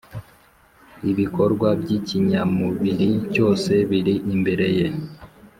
Ibikorwa by’ikinyamubiri cyose biri imbere ye,